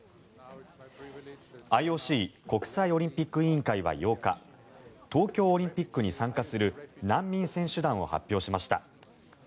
ＩＯＣ・国際オリンピック委員会は８日東京オリンピックに参加する難民選手団を発表しました。